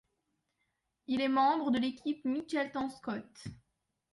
Il est membre de l'équipe Mitchelton-Scott.